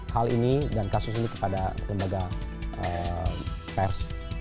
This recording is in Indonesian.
hal ini dan kasus ini kepada lembaga pers